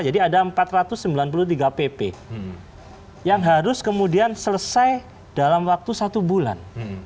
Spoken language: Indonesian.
jadi ada empat ratus sembilan puluh tiga pp yang harus kemudian selesai dalam waktu satu bulan